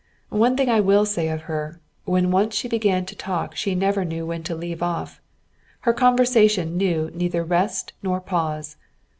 One thing I will say of her: when once she began to talk she never knew when to leave off. Her conversation knew neither rest nor pause.